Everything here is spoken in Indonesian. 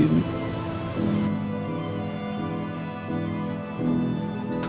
tapi kakaknya gak ada